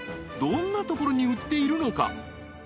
どんな所に売っているのか？］